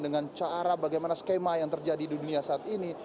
dengan cara bagaimana skema yang terjadi di dunia saat ini